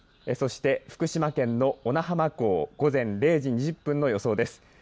そして福島県の小名浜港午前０時２０分の予想です。